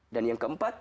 dan yang keempat